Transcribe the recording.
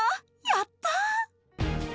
やったー！